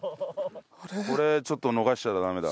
これちょっと逃しちゃダメだ。